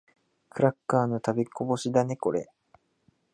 クラッカーの食べこぼしだね、これ。